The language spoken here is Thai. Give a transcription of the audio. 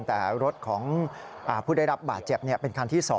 แต่รถของผู้ได้รับบาดเจ็บเป็นคันที่๒